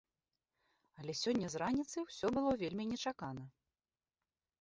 Але сёння з раніцы ўсё было вельмі нечакана.